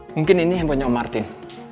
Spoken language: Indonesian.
mungkin ini handphonenya om martin